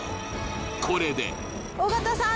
これで尾形さん